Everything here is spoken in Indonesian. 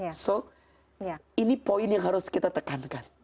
jadi ini poin yang harus kita tekankan